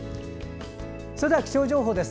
それでは気象情報です。